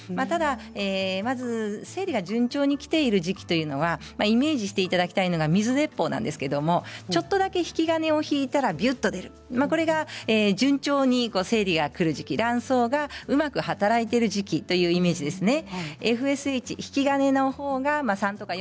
ただまず生理が順調にきている時期というのはイメージしていただきたいのが水鉄砲なんですけれどちょっとだけ引き金を引いたらすぐに出るそれが順調に生理がくる時期卵巣がうまく働いている時期というイメージです。